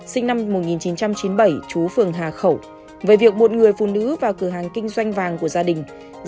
sinh năm một nghìn chín trăm chín mươi bảy chú phường hà khẩu về việc một người phụ nữ vào cửa hàng kinh doanh vàng của gia đình